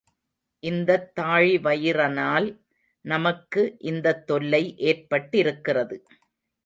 இந்தத் தாழிவயிறனால் நமக்கு இந்தத் தொல்லை ஏற்பட்டிருக்கிறது.